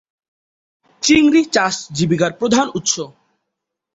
চিংড়ি চাষ জীবিকার প্রধান উৎস।